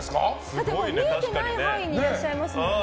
だって見えてない範囲にまでいらしゃいますよね。